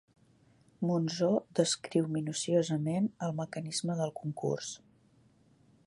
Monzó descriu minuciosament el mecanisme del concurs.